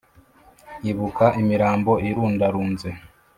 Ibuka imirambo irundarunze